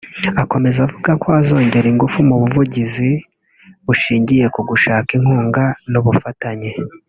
Akomeza avuga ko azongera ingufu mu buvugizi bushingiye ku gushaka inkunga n’ubufatanye